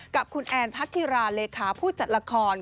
กับคุณแอนพัทธิราเลขาผู้จัดละคร